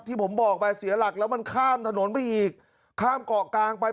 ที่ผมบอกไปเสียหลักแล้วมันข้ามถนนไปอีกข้ามเกาะกลางไป